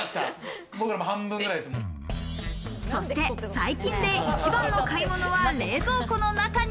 そして最近で一番の買い物は冷蔵庫の中に。